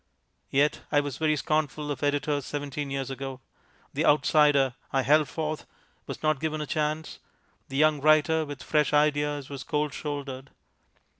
Yet I was very scornful of editors seventeen years ago. The outsider, I held forth, was not given a chance; the young writer with fresh ideas was cold shouldered.